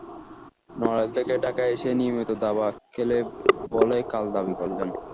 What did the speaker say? নড়াইল থেকে ঢাকায় এসে নিয়মিত দাবা খেলেন বলেই কাল দাবি করলেন।